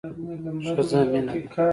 ښځه مينه ده